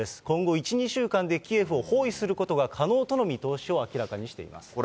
今後１、２週間でキエフを包囲することが可能との見通しを明らかにしています。